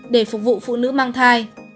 để phục vụ phụ nữ mang thai